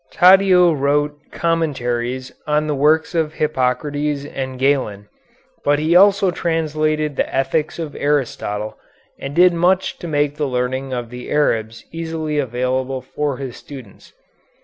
Taddeo wrote commentaries on the works of Hippocrates and Galen, but he also translated the ethics of Aristotle, and did much to make the learning of the Arabs easily available for his students.